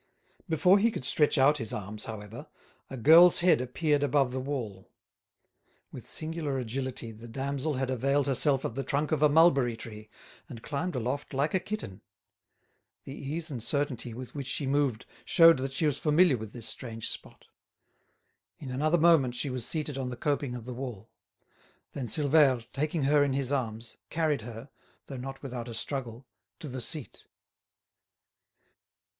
Before he could stretch out his arms, however, a girl's head appeared above the wall. With singular agility the damsel had availed herself of the trunk of a mulberry tree, and climbed aloft like a kitten. The ease and certainty with which she moved showed that she was familiar with this strange spot. In another moment she was seated on the coping of the wall. Then Silvère, taking her in his arms, carried her, though not without a struggle, to the seat.